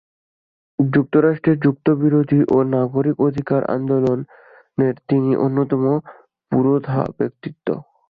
যুক্তরাষ্ট্রের যুদ্ধবিরোধী ও নাগরিক অধিকার আন্দোলনের তিনি অন্যতম পুরোধা ব্যক্তিত্ব।